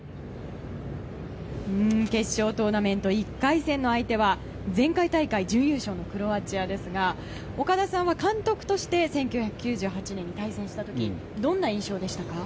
決勝トーナメント１回戦の相手は前回大会準優勝のクロアチアですが岡田さんは監督として１９９８年に対戦した時どんな印象でしたか？